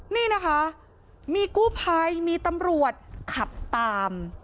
นี่นะคะมีกู้ภัยมีตำรวจขับตาม